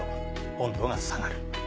温度が下がる。